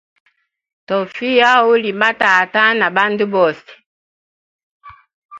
Tofiya uli ba tata na bandu bose.